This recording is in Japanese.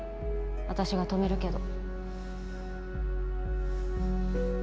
私が止めるけど